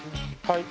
はい。